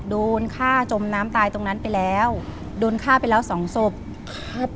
โดนฆ่าจมน้ำตายตรงนั้นไปแล้วโดนฆ่าไปแล้วสองศพครับ